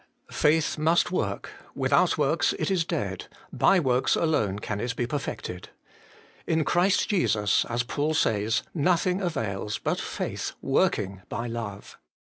Faith must work; without works it is dead, by works alone can it be perfected ; in Jesus Christ, as Paul says, nothing avails but 'faith working by love.'